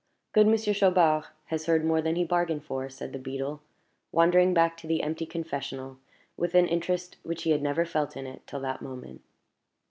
"Good Monsieur Chaubard has heard more than he bargained for," said the beadle, wandering back to the empty confessional with an interest which he had never felt in it till that moment.